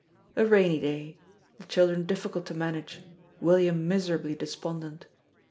3d. A rainy day; the children difficult to manage; William miserably despondent.